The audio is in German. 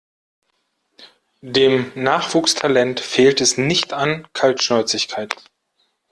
Dem Nachwuchstalent fehlt es nicht an Kaltschnäuzigkeit.